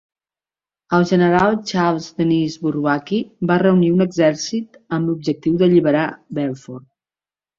El general Charles Denis Bourbaki va reunir un exèrcit amb l'objectiu d'alliberar Belfort.